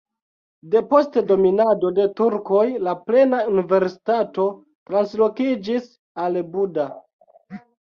Depost dominado de turkoj la plena universitato translokiĝis al Buda.